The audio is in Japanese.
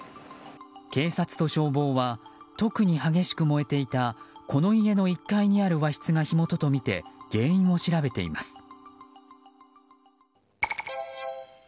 警察と消防は特に激しく燃えていたこの家の１階にある和室が火元とみて原因を調べています。